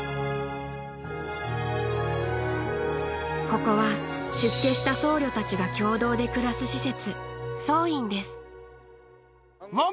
ここは出家した僧侶たちが共同で暮らす施設。